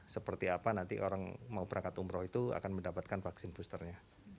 seperti apa nanti orang mau berangkat umroh itu akan mendapatkan vaksin boosternya